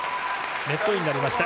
ネットインになりました。